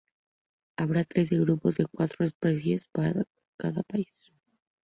Habrá trece grupos de cuatro países cada uno.